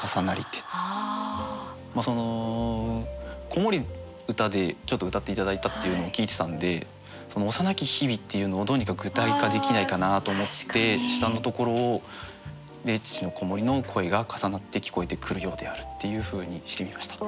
子守歌でちょっと歌って頂いたっていうのを聞いてたんでその「幼き日々」っていうのをどうにか具体化できないかなと思って下のところで父の子守の声が重なって聞こえてくるようであるっていうふうにしてみました。